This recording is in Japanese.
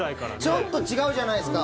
ちょっと違うじゃないですか。